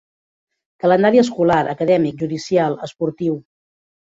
Calendari escolar, acadèmic, judicial, esportiu.